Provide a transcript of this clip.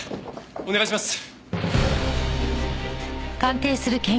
お願いします。